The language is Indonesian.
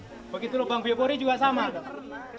begitu lubang biopori juga sama